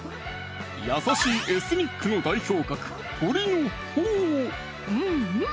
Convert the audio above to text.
優しいエスニックの代表格うんうん